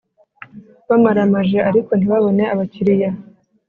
bamaramaje ariko ntibabona abakiriya.